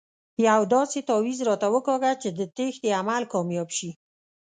یو داسې تاویز راته وکاږه چې د تېښتې عمل کامیاب شي.